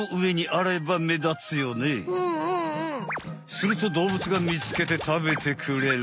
するとどうぶつがみつけてたべてくれる。